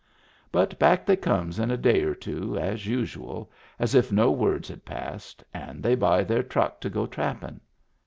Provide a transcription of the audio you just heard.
But back they comes in a day or two as usual, as if no words had passed, and they buy their truck to go trappin'.